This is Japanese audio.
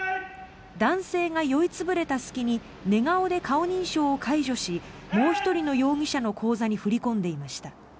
男性が酔い潰れた隙に寝顔で顔認証を解除しもう１人の容疑者の口座に振り込んでいました。